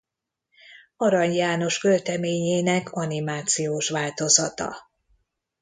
Arany János költeményének animációs változata.